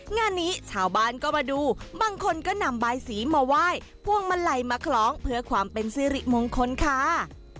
งานนี้ชาวบ้านก็มาดูบางคนก็นำบายสีมาไหว้พวงมาลัยมาคล้องเพื่อความเป็นสิริมงคลค่ะ